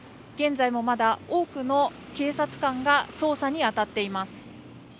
現在もまだ多くの警察官が捜査にあたっています。